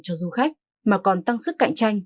cho du khách mà còn tăng sức cạnh tranh